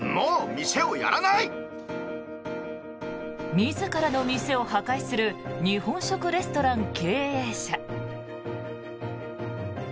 自らの店を破壊する日本食レストラン経営者。